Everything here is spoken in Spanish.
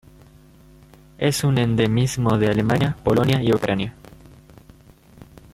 Es un endemismo de Alemania, Polonia y Ucrania.